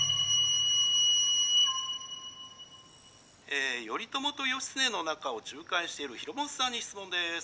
「え『頼朝と義経の仲を仲介しているひろもとさんに質問です。